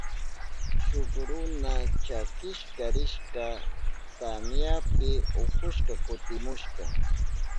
Shuk runa chakishka rishka tamyapi ukushka kutimushka.